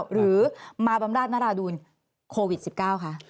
หรือมาบำราชนราดูลโควิด๑๙คะ